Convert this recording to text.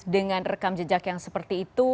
dengan rekam jejak yang seperti itu